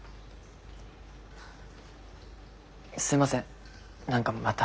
すいません何かまた。